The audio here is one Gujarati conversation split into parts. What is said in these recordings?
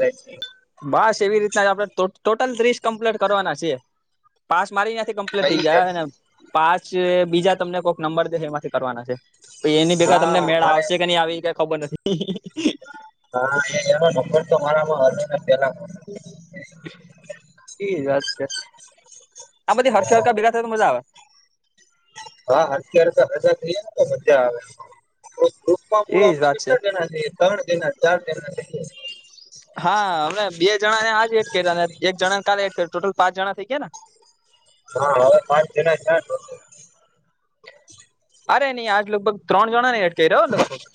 થઈ બસ એવી રીતના જ આપડે ટોટલ ત્રીસ કમ્પ્લીટ કરવાના છે પાસ મારી ત્યાંથી કમ્પ્લીટ થઈ જશે જાય ને પાંચ બીજા તમને કોક નંબર દેહે એમાંથી કરવાના છે. તો એની ભેગા તમને હા મેળ મને આવશે કે નહી આવી કઈ ખબર નથી. હા એનો નંબર તો મારામાં હશે ને પેલા એજ વાત છે આમ બધી હરખ હરકા ભેગા થાય તો મજા આવે હા અત્યારે ભેગા થઇયે ને તો મજા આવે તો ગ્રુપમાં એજ આપડે વાત કેટલા જણા છે? ત્રણ દિના ચાર દિના હા હમ બે જણા ને આજ એડ કર્યા અને એક જણા ને કાલે એડ કર ટોટલ પાંચ જણા થઇ ગયા ને. હા હવે પાંચ જના થયાં ટોટલ અરે નહીં આજ લગભગ ત્રણ જણા ને એટ કરી રહ્યો લગભ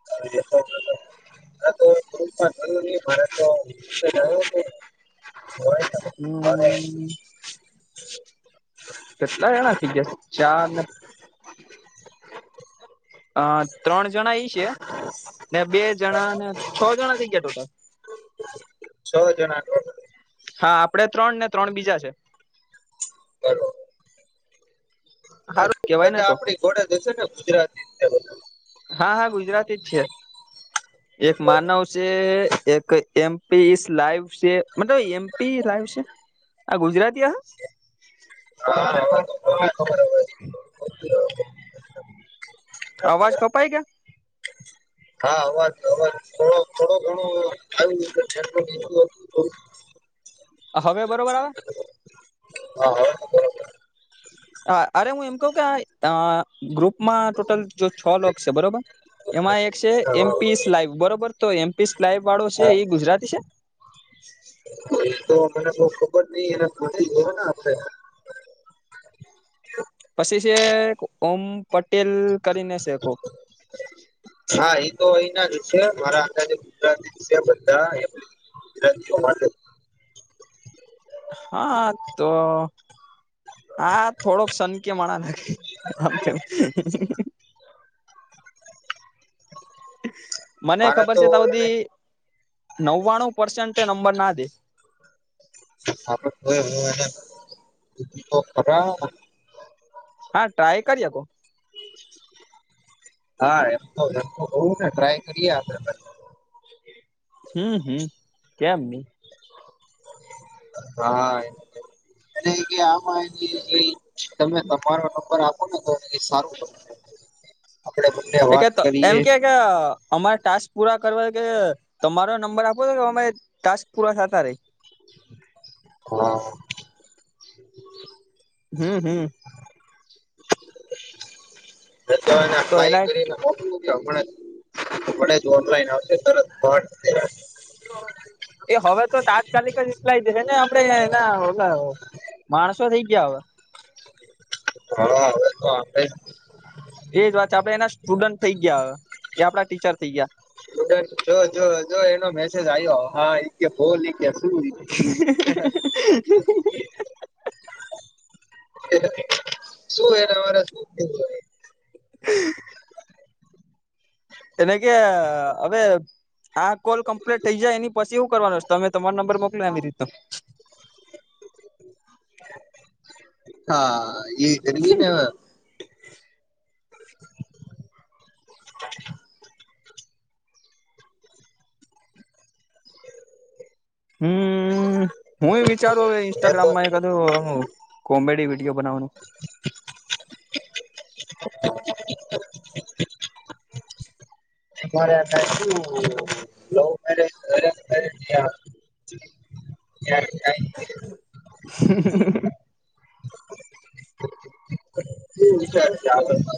[unintelligible] હમ કેટલા એણા થઈ ગયા? ચાર ને? અ, ત્રણ જણા ઈ છે ને, બે જણા ને છ જણા થઈ ગયા, ટોટલ. છ જણા. હા આપડે ત્રણ ને ત્રણ બીજા છે. બરોબર સારું કેવાય ને બધા તો આપડી ઘોડે જશે ને ગુજરાતી જ છે બધા હા હા ગુજરાતી જ છે એક માનવ છે એક એમપીસ લાઈવ છે. મતલબ, એમપી લાઈવ છે આ ગુજરાતી, હ? હ, હ, ખબર. હમ. આવાજ કપાઈ કે? હા, અવાજ, અવાજ થોડો થોડો ઘણો આવતો, બીધું હ. હવે બરોબર આવે? હા, હા. હા, અરે, હું એમ કે ગ્રુપમાં. છ લોક છે, બરોબર? એમાં એક છે એમપી. લાઈવ, બરોબર? તો એમપી લાઈવ વાળો છે, હા એ ગુજરાતી છે. તો મને બહુ ખબર નઈ, એને ફને જોવા ના આપે. પછી છે, ઓમ પટેલ કરીને છે, કોક. હા, એ તો અહીના જ છે, મારા. આજે ગુજરાતી છે, બધા. જમા [unintelligible] હા, તો. હા, થોડોક શકય મણા લાગે આમ. મને મારે ખબર છે, તો એને બધી નવ્વાણું પર્સેન્ટ નંબર ના દે. હોય, હ, ખરા? હા, ટ્રાય કરી શકો. હા, એમ તો, એમ તો કઉું ને, ટ્રાય કરીએે આપડે. હમ, હમ, કેમ નઈ? હા, અને કે, આમાં તમે તમારો નર. સારું. બંને એ વાત તો એમ કરીએ કે કે અમારે ટાસ્ક પૂરા કરવા કે, તમારો નંબર આપો તો કે અમે. તાસ પુરા થતા રેહ. હા. હમ, હમ. તો એનેલાઈ કરી ના. તો આપણે આપણે જ ઓનલાઈન આવશે, તરત. એ હવે તો તાત્કાલિક જ લાય જશે ને, આપણે એના. માણસો થઈ ગયા, હવે. હ, હવે એ તો. એજ વાત છે, આપડે એના સ્ટુડન્ટ થઈ ગયા, હ, એ આપડા ટીચર થઈ ગયા. જોડુ, જો, જો, જો, એનો મેસેજ આવ્યો, હોલ. ગસું બ [unintelligible] શું? એ તમારે શું? એના કે, હવે આ કોલ કમ્પ્લીટ થઇ જાય, એની પછી એવું કરવાનું, તમે તમારો નંબર મોકલી આપો, એ રીતે. હા, એ કરવી ને, હવે. [inaudible] હમ, હું એ વિચારું, હવે ઇન્સ્ટાગ્રામમાં એ બધું. કોમેડી વિડીયો બનાવાનું [inaudible] શ [unintelligible] [inaudible] હ. શું વિચાર્યું છે, આગળ પર?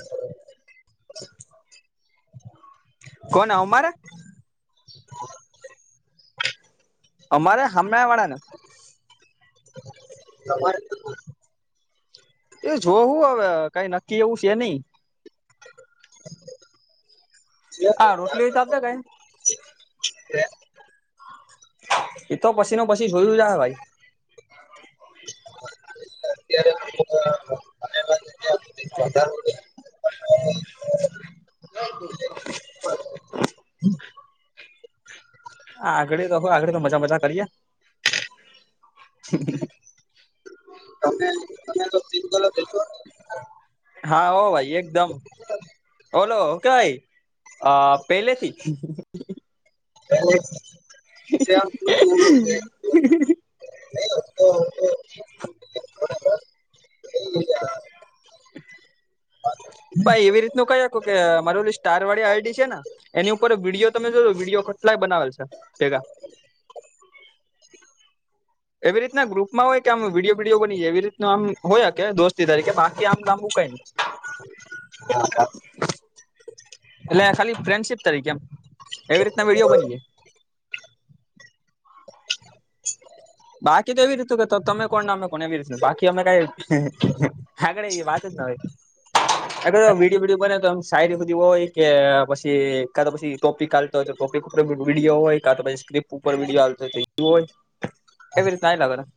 કોન અમાર હ અમારે હામેવાળા ને તમારે [unintelligible] એ જોવું હવે કઈ નક્કી એવું છે નઈ. હા રોટલી તો આપજે ગાય ને એ તો પછી નુ પછી જોયું જા હે ભાઈ [inaudible] હા વધાર [unintelligible] બલકુલ હા આગળ તો લોકો આગળ તો મજા મજા કરીયે [inaudible] તમે તમે તો સિંગલ રેશો ને હા હો ભાઈ એકદમ બોલો કે હા પેલેથી [unintelligible] [inaudible] [inaudible] શુ યાર ભાઈ એવી રીતનું કયુ તું કે મારી સ્ટાર વાળી આઈડી છે ને એની ઉપર વિડીયો તમે જો જો વિડીયો કેટલાય બનાવે છે ભેગા એવી રીતના ગ્રુપમાં હોય કે આમ વિડીયો વિડીયો બનીએ એવી રીતનું આમ હોય કે દોસ્તી તરીકે બાકી આમ લાંબુ કઈ નહી. [unintelligible] એટલે ખાલી ફ્રેન્ડશીપ તરીકે એમ એવી રીતના વિડીયો બની જાય. [inaudible] બાકી તો એવી રીતું કેતો તમે કોણ ને અમે કોણ કોને એવી રેશે બાકી અમે કાઈ [inaudible] આગળે એ વાત જ ના હોય. અગર વિડીયો બીડીયો બને તોમ સાાયરી સુધી હોય કે પછી કા તો પછી ટોપિક ચાલતો હોય તો ટોપિક ઉપર વિડીયો હોય કા તો પછી સ્ક્રિપ્ટ ઉપર વિડિયો હાલતો હોય એવી રીતે હાલ્યા કરે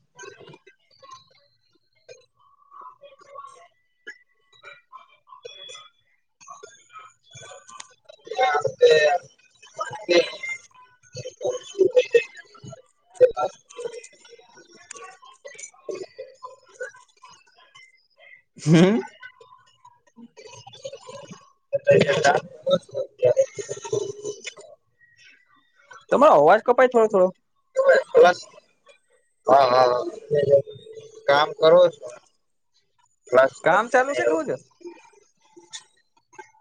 [unintelligible] [inaudible] [unintelligible] હમ્મ. એ કે [unintelligible] [inaudible] તમારો અવાજ કપાય થોડો થોડો હા હા હા કામ કરો છો. ફ્લશ ડોર કામ ચાલુ ને છે કે એવું હું છે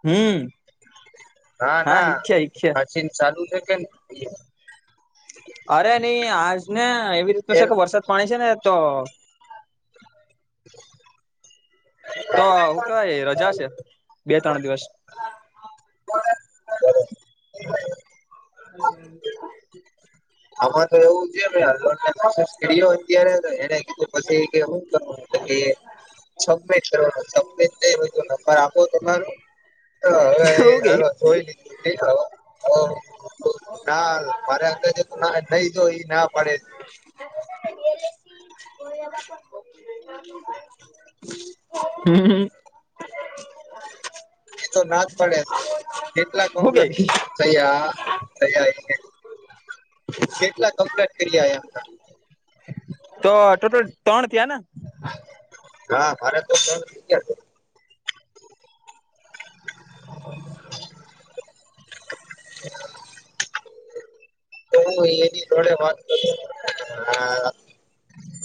હમ્મ હા શીખ્યા શીખ્યા. શિન ચાલુ છે કે અરે નઈ આજ ને એવી રીતનું છે કે વરસાદ પાણી છે ને તો તો હું કેવાય રજા છે બે ત્રણ દિવસ. [inaudible] આમાં તો એવું છે હલ્લો ને સ્ટીડીઓ અત્યારે તો એને કીધું પછી કે શું કરું એટલે કે સમેત સમે [unintelligible] નંબર આપો તમારો તો એવું કે હવે જોઈ લીધું છે અ ના મારે આગળ જે ના નઈ જો એ ના પાડે. [unintelligible] [inaudible] હમ્મ હમ્મ. એ તો ના જ પડે છે કેટલા હું કે સયા સયા એ કેટલા કમ્પ્લેટ કર્યામ તો ટોટલ ત્રણ થયા ને. હા મારે તો [unintelligible] ગયા છે. [inaudible] હું એની જોડે વાત કરું હ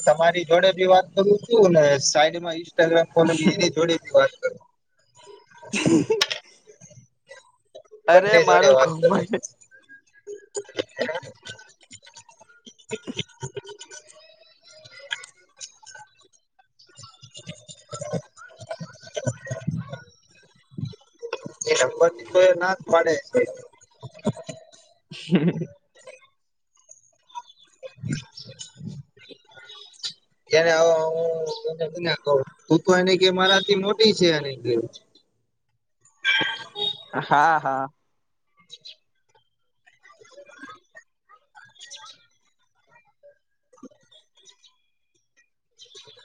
તમારી જોડે ભી વાત કરું છું ને સાઈડમાં ઈન્સ્ટાગ્રામ કોલો એની જોડે ભી વાત [inaudible] અરે બંને જોડે મારું વાત કરું ઘમંડ [inaudible] [inaudible] એ નંબર ની તો એ ના જ પાડે છે. હ. [inaudible] તને ના [inaudible] તું તો એને કે મારા થી મોટી છે અને હા હા. [inaudible] [inaudible] [inaudible]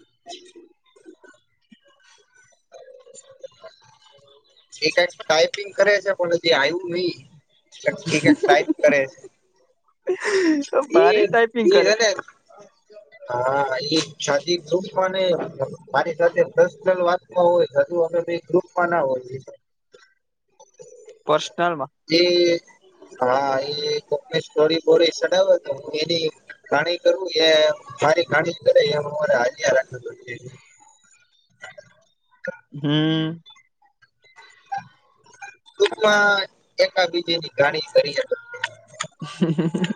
હ [inaudible] એ કંક ટાઈપિંગ કરે છે પણ હજી આવ્યું નહી એ કક ટાઈપ કરે છે. તા એ ભારી ટાઈપિંગ કરે. એને હા એ શાદી ગમ પાને મારી સાથેન પર્શનલ વાતમાં હોય બધી વખતે ગ્રુપમાં ના હોય પર્સનલમાં. એ હા એ કોક સોરી બોરી સડાવે તો હું એની કણી કરું એ મારી કાણી કર એમ અરે હાજ હજ હમ ટૂકમાં એકાબીજની ઘાણી કરી. હ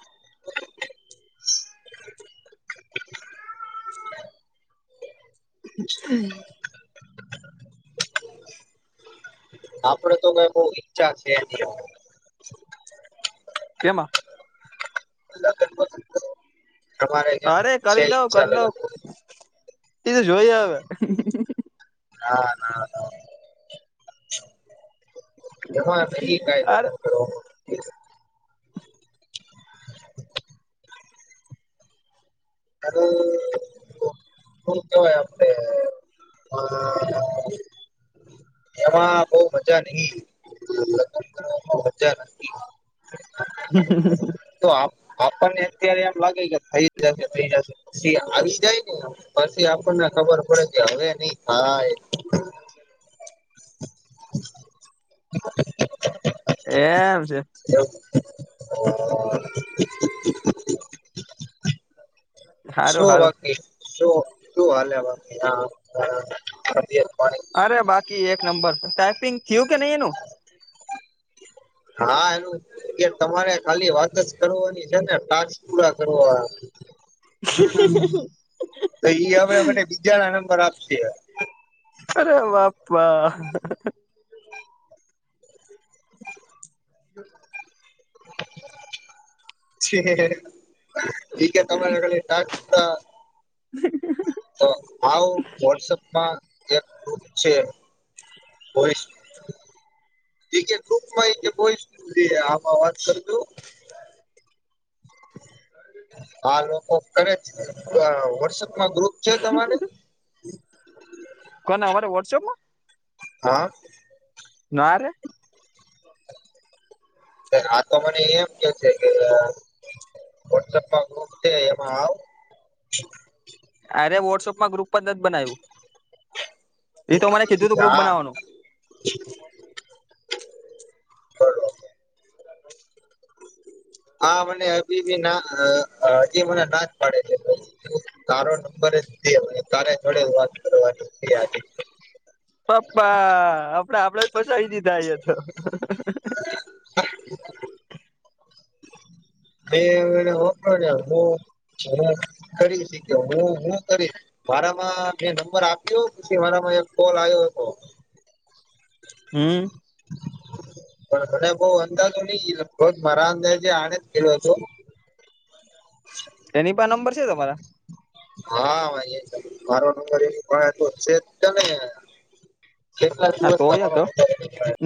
હ હ આપડે તો ગ બહ ઈચ્છા છે એની. કેમાં? તમારે્યા અરે છે કરી લઉ કરી ચાલે? લઉ એ તો જોઈ અવે. ના ના ના એમાં નહી કઈ લ હ અરે ઠી છે. કારણ શું કહેવાય આપડણે [inaudible] એમાં બહ મજા નહીત મજા નથી. [inaudible] હ તો આપણને અત્યારે એમ લાગે કે થઈ જશે થઈ જશેી આવી જાય ને. પછી આપણને ખબર પડે કે હવે નઈ થાય [inaudible] એમ છે એ હ [inaudible] હ શું વાકી શું શું હલે વાકી અરે બાકી એક નંબર ટાઈપિંગ થયું કે નહી એનું હા એનું કે તમારે ખાલી વાત જ કરવાની છે ને ટા પૂરા કરવા તો આપડ મ બીજા ના નંબર આપશે અરે બાપા હમ ી તમારે એ ટ હ તો આવ વોટ્સઅપમાં એકત છે પસ ી કે ટુકમાંયય આમાં વાત કરજું [inaudible] હા લોકો કરે વોટસઅપમાં ગ્રુપ છે તમારે કોને અમા વોટસએપમાં હા નારે આ તો મને એમ કે છે કે વોટસઅપમાં ગ્રુપ છે એમાં આવ અરે વોટસઅપમાં ગ્રુપ પર જ બનાવ્યું એ તો મને કીધું તું ગ્રુપ બનાવવાનું હ [inaudible] હા મને હજી બી ના હજી મને ના જ પાડે છે તારો નંબર જ તારે જોડે વાત કરવાની આજ પપ્પા આપડે આપડે જ પસાવી દીધા તો [inaudible] [inaudible] હ હું કરી શી હું હું કરીશ મારામાં મે નંબર આપ્યો પછી મારામાં એક કોલ આવ્યો હમ પણને બહ અંદાજો નહીિ બ જ મારા અંદા જે આણે જ ગેલો હતો એની પણ નંબર છે તમારા હા મારો નંબર એ તો છે જને કેટલા હા દિવસ તો ય તમારો ક